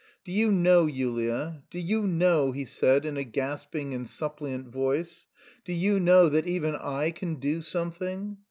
"Do you know, Yulia, do you know," he said in a gasping and suppliant voice, "do you know that even I can do something?"